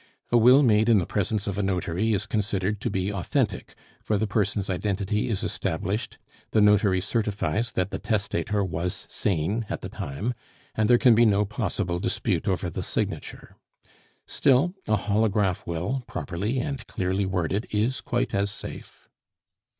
A will made in the presence of a notary is considered to be authentic; for the person's identity is established, the notary certifies that the testator was sane at the time, and there can be no possible dispute over the signature. Still, a holograph will, properly and clearly worded, is quite as safe."